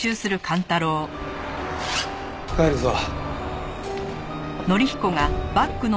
帰るぞ。